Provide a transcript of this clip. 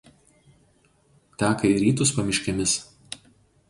Teka į rytus pamiškėmis.